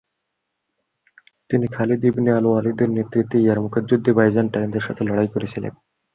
তিনি Khalid ibn আল-ওয়ালিদের নেতৃত্বে ইয়ারমুকের যুদ্ধে বাইজেন্টাইনদের সাথে লড়াই করেছিলেন।